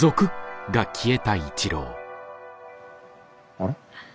あれ？